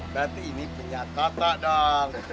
berarti ini punya kakak dong